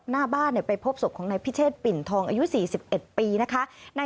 หน้าบ้านไปพบศพของนายพิเชษปิ่นทองอายุ๔๑ปีนะคะ